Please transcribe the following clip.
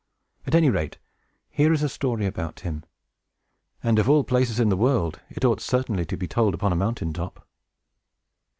At any rate, here is a story about him; and, of all places in the world, it ought certainly to be told upon a mountain top."